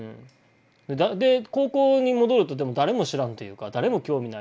で高校に戻るとでも誰も知らんというか誰も興味ないし。